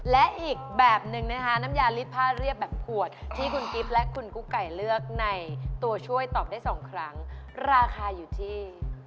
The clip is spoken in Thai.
และอีกแบบหนึ่งนะคะน้ำยาลิดผ้าเรียบแบบขวดที่คุณกิ๊บและคุณกุ๊กไก่เลือกในตัวช่วยตอบได้๒ครั้งราคาอยู่ที่